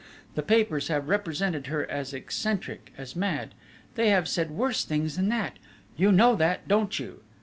The papers have represented her as eccentric, as mad; they have said worse things than that, you know that, don't you?...